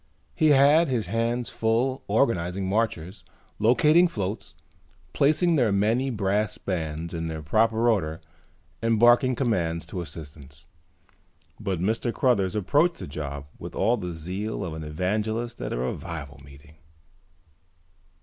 He had his hands full organizing marchers, locating floats, placing the many brass bands in their proper order and barking commands to assistants. But Mr. Cruthers approached the job with all the zeal of an evangelist at a revival meeting.